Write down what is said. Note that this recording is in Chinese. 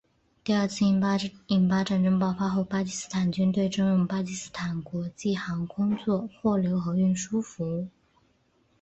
第二次印巴战争爆发后巴基斯坦军队征用巴基斯坦国际航空做货流和运输服务。